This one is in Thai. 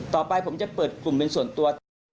ต่อไปผมจะเปิดกลุ่มเป็นส่วนตัว